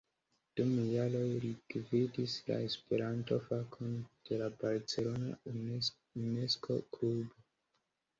Dum jaroj li gvidis la Esperanto-fakon de la barcelona Unesko-klubo.